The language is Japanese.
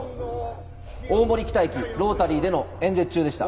大森北駅ロータリーでの演説中でした。